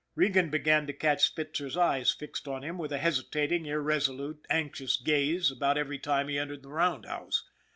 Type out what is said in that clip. Regan began to catch Spitzer's eyes fixed on him with a hesitating, irresolute, anxious gaze about every time he entered the roundhouse.